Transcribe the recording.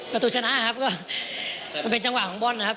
ประตูชนะครับก็เป็นจังหวะของบ้อนนะครับ